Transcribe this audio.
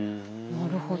なるほど。